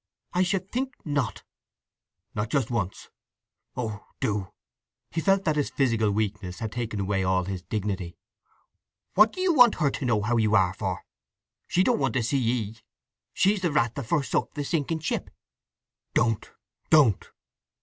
"I should think not!" "Not just once?—Oh do!" He felt that his physical weakness had taken away all his dignity. "What do you want her to know how you are for? She don't want to see 'ee. She's the rat that forsook the sinking ship!" "Don't, don't!"